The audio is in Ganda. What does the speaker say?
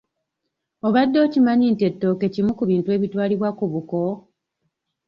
Obadde okimanyi nti ettooke kimu ku bintu ebitwalibwa ku buko?